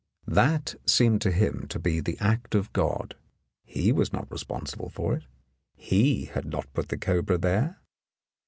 That seemed to him to be the act of God ; he was not responsible for it, he had not put the cobra there.